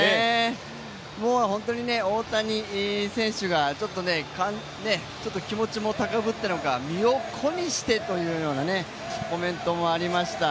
今日は本当に大谷選手がちょっと気持ちも高ぶったのか身を粉にしてというようなコメントもありました。